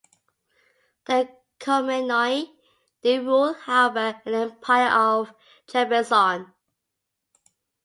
The Komnenoi did rule however in the Empire of Trebizond.